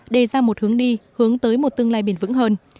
đề ra một hướng đi hướng tới một tương lai bền vững hơn